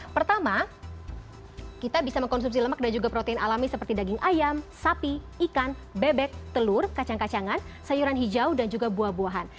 pertama kita bisa mengkonsumsi lemak dan juga protein alami seperti daging ayam sapi ikan bebek telur kacang kacangan sayuran hijau dan juga buah buahan